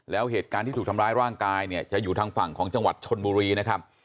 แล้วเหตุการณ์ที่ถูกทำร้ายร่างกายเนี่ยจะอยู่ทางฝั่งของจังหวัดชนบุรีนะครับ